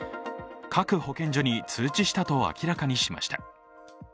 各保健所に通知したと明らかにしました。